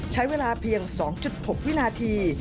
ใช้เวลาเพียง๒๖วินาที